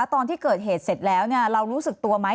ตอนที่เกิดเหตุเสร็จแล้วเรารู้สึกตัวไหม